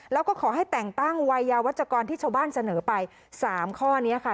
แล้วก็ขอให้แต่งตั้งวัยยาวัชกรที่ชาวบ้านเสนอไป๓ข้อนี้ค่ะ